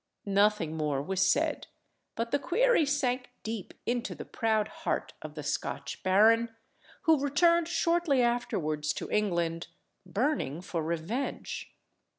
Nothing more was said; but the query sank deep into the proud heart of the Scotch baron, who returned shortly afterwards to England, burning for revenge.